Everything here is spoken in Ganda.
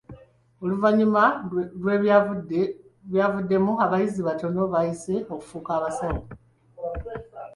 Oluvannyuma lw'ebyavuddemu abayizi batono abaayise okufuuka abasawo.